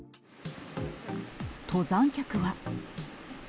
登山客は。